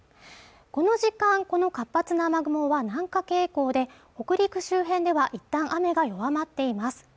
この時間この活発な雨雲は南下傾向で北陸周辺ではいったん雨が弱まっています